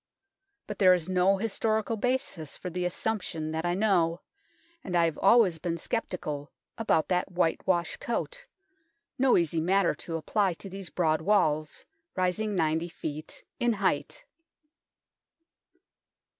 But there is no historical basis for the assumption that I know, and I have always been sceptical about that whitewash coat no easy matter to apply to these broad walls, rising 90 ft. in height.